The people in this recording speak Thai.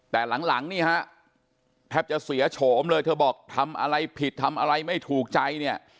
แต่หลังนี่ฮะแทบจะเสียโฉมเลยเธอบอกทำอะไรผิดทำอะไรไม่ถูกใจเนี่ย